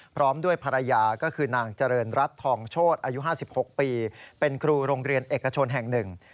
พร้อมด้วยภรรยาก็คือนางเจริญรัฐทองโชธอายุ๕๖ปีเป็นครูโรงเรียนเอกชนแห่งหนึ่ง